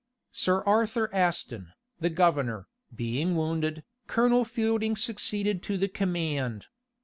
Sir Arthur Aston, the governor, being wounded, Colonel Fielding succeeded to the command.